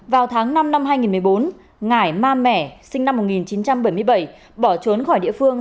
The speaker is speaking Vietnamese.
vào tháng năm năm hai nghìn một mươi bốn ngải ma m mẹ sinh năm một nghìn chín trăm bảy mươi bảy bỏ trốn khỏi địa phương